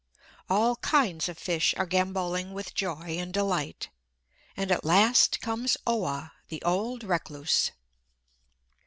All kinds of fish are gambolling with joy and delight; and at last comes Oa, the old recluse.